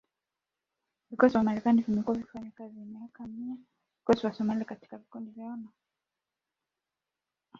Vikosi vya Marekani vimekuwa vikifanya kazi kwa miaka mingi na vikosi vya Somalia katika juhudi zao za kudhibiti makundi ya kigaidi.